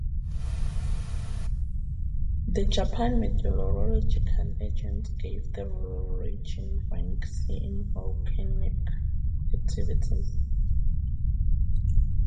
The Japan Meteorological Agency gave the region rank C in volcanic activity.